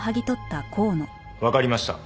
わかりました。